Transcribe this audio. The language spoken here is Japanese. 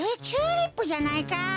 チューリップじゃないか。